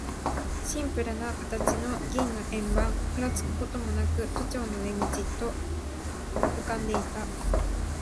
シンプルな形の銀の円盤、ふらつくこともなく、都庁の上にじっと浮んでいた。